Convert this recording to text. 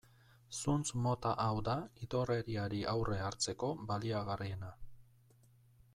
Zuntz mota hau da idorreriari aurre hartzeko baliagarriena.